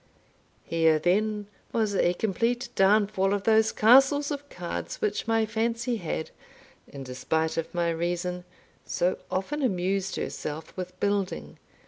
Here, then, was a complete downfall of those castles of cards which my fancy had, in despite of my reason, so often amused herself with building.